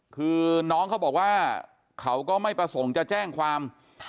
คือน้องเขาบอกว่าเขาก็ไม่ประสงค์จะแจ้งความ